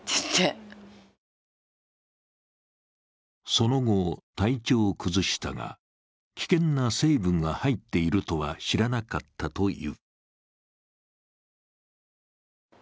その後、体調を崩したが危険な成分が入っているとは知らなかったという。